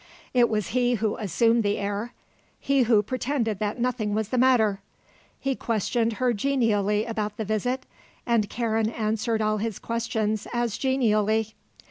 It was he who assumed the air; he who pretended that nothing was the matter. He questioned her genially about the visit, and Karen answered all his questions as genially.